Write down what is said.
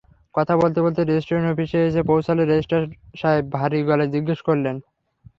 কথা বলতে বলতে রেজিস্ট্রেশন অফিসে এসে পৌঁছালে রেজিস্ট্রার সাহেব ভারী গলায় জিজ্ঞাসা করলেন।